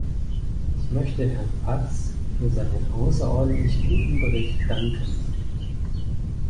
Ich möchte Herrn Watts für seinen außerordentlich guten Bericht danken.